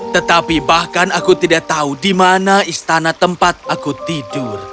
tetapi bahkan aku tidak tahu di mana istana tempat aku tidur